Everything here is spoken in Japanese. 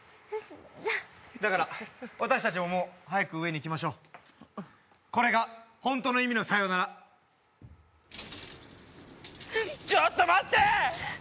じゃあだから私達ももう早く上に行きましょうこれがホントの意味のさよならちょっと待って！